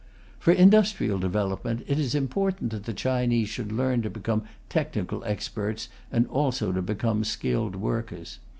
For industrial development, it is important that the Chinese should learn to become technical experts and also to become skilled workers.